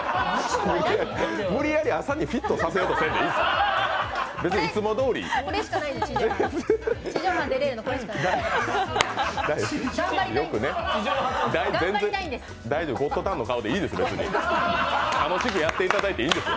無理やり朝にフィットさせようとしなくていいですよ。